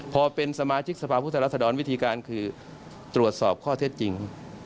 พอเป็นสมาชิกสภาพุทธรัศดรวิธีการคือตรวจสอบข้อเท็จจริง